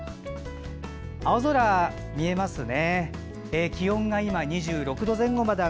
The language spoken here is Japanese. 青空が見えますね。